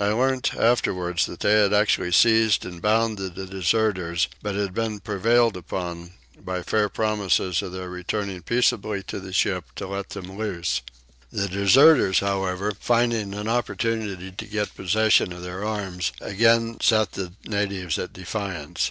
I learnt afterwards that they had actually seized and bound the deserters but had been prevailed upon, by fair promises of their returning peaceably to the ship, to let them loose: the deserters however, finding an opportunity to get possession of their arms, again set the natives at defiance.